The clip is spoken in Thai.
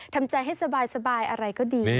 ทำใจให้สบายอะไรก็ดี